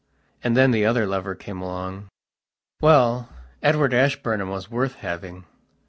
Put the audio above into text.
And then the other lover came along.... Well, Edward Ashburnham was worth having.